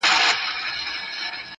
زوړ غزل له نوي تغیراتو سره؟,